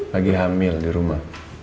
lagi hamil di rumah